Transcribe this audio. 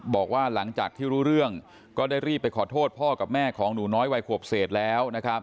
บอกว่าหลังจากที่รู้เรื่องก็ได้รีบไปขอโทษพ่อกับแม่ของหนูน้อยวัยขวบเศษแล้วนะครับ